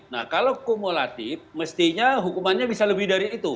nah kalau kumulatif mestinya hukumannya bisa lebih dari itu